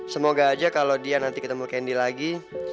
semoga aja kalau dia nanti ketemu kendi lagi